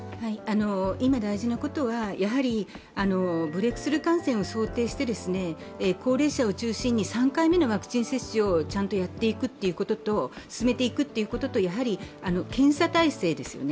今大事なことは、やはりブレークスルー感染を想定して高齢者を中心に３回目のワクチン接種をちゃんとやっていくということと検査体制ですよね。